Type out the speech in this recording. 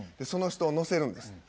その人を乗せるんです。